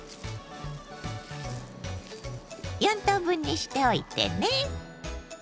４等分にしておいてね。